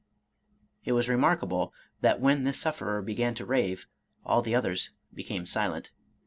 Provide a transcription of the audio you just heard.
" It was remarkable, that when this sufferer be gan to rave, all the others became silent.